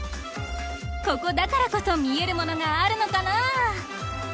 ここだからこそ見えるものがあるのかなぁ？